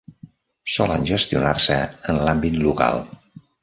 Solen gestionar-se en l'àmbit local.